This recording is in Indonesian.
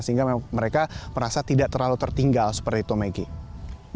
sehingga mereka merasa tidak terlalu tertinggal seperti itu maggie